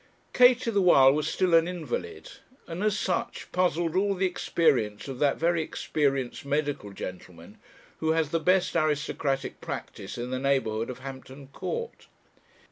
Katie, the while, was still an invalid; and, as such, puzzled all the experience of that very experienced medical gentleman, who has the best aristocratic practice in the neighbourhood of Hampton Court.